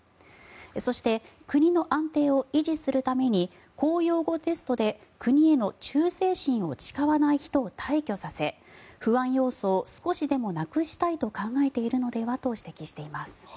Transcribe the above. そして国の安定を維持するために公用語テストで国への忠誠心を誓わない人を退去させ不安要素を少しでもなくしたいと考えているのではと指摘しています。